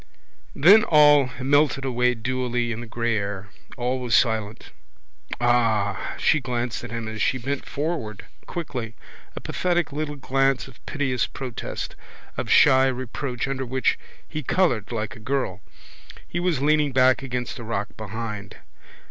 Then all melted away dewily in the grey air: all was silent. Ah! She glanced at him as she bent forward quickly, a pathetic little glance of piteous protest, of shy reproach under which he coloured like a girl. He was leaning back against the rock behind.